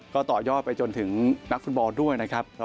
ก็ต่อยอดไปจนถึงนักฟุตบอลด้วยนะครับ